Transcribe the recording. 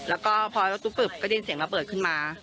แล้วก็พอรถตู้ปึบก็ยินเสียงระเบิดขึ้นมา